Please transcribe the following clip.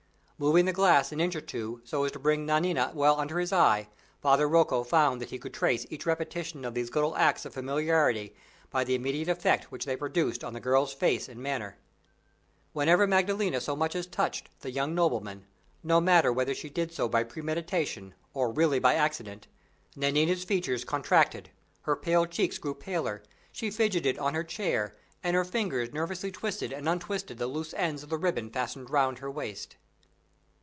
Moving the glass an inch or two, so as to bring Nanina well under his eye, Father Rocco found that he could trace each repetition of these little acts of familiarity by the immediate effect which they produced on the girl's face and manner. Whenever Maddalena so much as touched the young nobleman no matter whether she did so by premeditation, or really by accident Nanina's features contracted, her pale cheeks grew paler, she fidgeted on her chair, and her fingers nervously twisted and untwisted the loose ends of the ribbon fastened round her waist.